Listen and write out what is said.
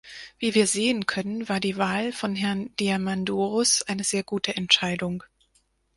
Wie wir sehen können, war die Wahl von Herrn Diamandouros eine sehr gute Entscheidung.